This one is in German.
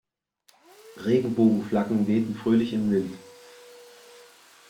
Regenbogenflaggen wehten fröhlich im Wind.